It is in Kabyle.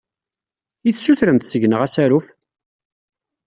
I tessutremt seg-neɣ asaruf?